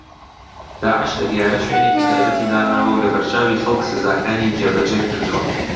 داعش لە گەیارە شوێنێکی تایبەتی داناوە و لەبەرچاوی خەڵک سزاکانی جێبەجێ کردووە